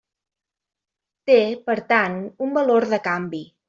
Té, per tant, un valor de canvi.